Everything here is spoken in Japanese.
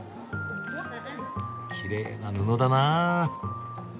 きれいな布だなあ。